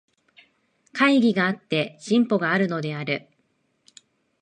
懐疑があって進歩があるのである。